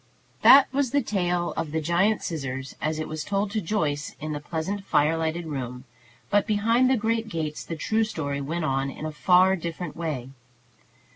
That was the tale of the giant scissors as it was told to Joyce in the pleasant fire lighted room; but behind the great gates the true story went on in a far different way.